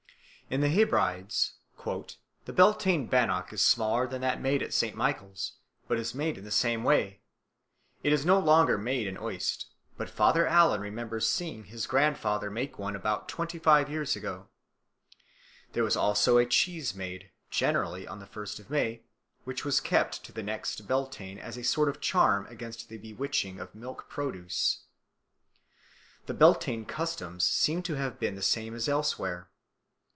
In the Hebrides "the Beltane bannock is smaller than that made at St. Michael's, but is made in the same way; it is no longer made in Uist, but Father Allan remembers seeing his grandmother make one about twenty five years ago. There was also a cheese made, generally on the first of May, which was kept to the next Beltane as a sort of charm against the bewitching of milk produce. The Beltane customs seem to have been the same as elsewhere.